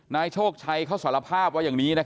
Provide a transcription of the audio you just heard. นายโชคชัยเขาสรภาพว่าอย่างนี้นะครับ